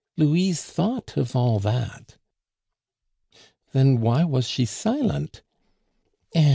Louise thought of all that." "Then why was she silent?" "_Eh!